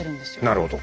なるほど。